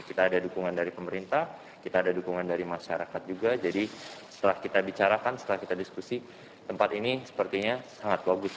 kita ada dukungan dari pemerintah kita ada dukungan dari masyarakat juga jadi setelah kita bicarakan setelah kita diskusi tempat ini sepertinya sangat bagus